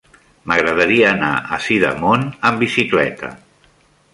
M'agradaria anar a Sidamon amb bicicleta.